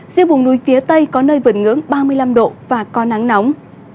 riêng vùng núi phía tây có nơi vượt ngưỡng ba mươi năm độ và có nắng nóng